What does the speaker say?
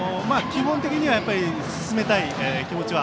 気分的には進めたい気持ちが